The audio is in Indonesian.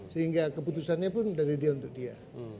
sehingga keputusannya pun dari dia untuk dia